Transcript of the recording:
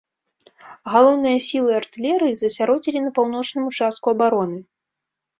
Галоўныя сілы артылерыі засяродзілі на паўночным участку абароны.